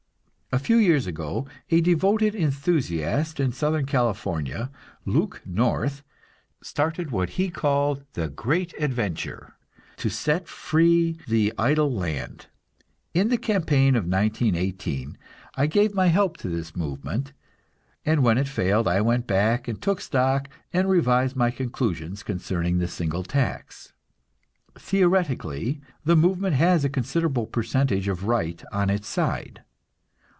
A few years ago a devoted enthusiast in Southern California, Luke North, started what he called the "Great Adventure" to set free the idle land. In the campaign of 1918 I gave my help to this movement, and when it failed I went back and took stock, and revised my conclusions concerning the single tax. Theoretically the movement has a considerable percentage of right on its side.